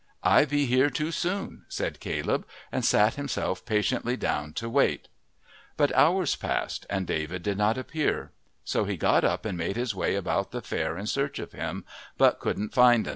"I be here too soon," said Caleb, and sat himself patiently down to wait, but hours passed and David did not appear, so he got up and made his way about the fair in search of him, but couldn't find 'n.